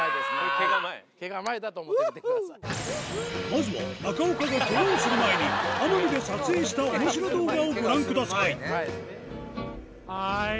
まずは中岡がケガをする前に奄美で撮影した面白動画をご覧ください